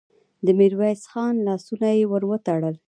د ميرويس خان لاسونه يې ور وتړل.